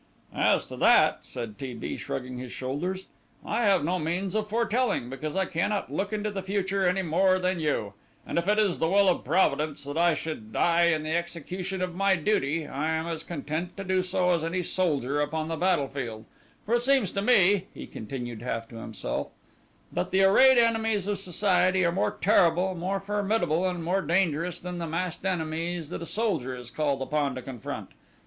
"As to that," said T. B., shrugging his shoulders, "I have no means of foretelling, because I cannot look into the future any more than you, and if it is the will of Providence that I should die in the execution of my duty, I am as content to do so as any soldier upon the battle field, for it seems to me," he continued half to himself, "that the arrayed enemies of society are more terrible, more formidable, and more dangerous than the massed enemies that a soldier is called upon to confront.